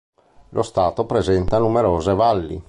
Lo stato presenta numerose valli.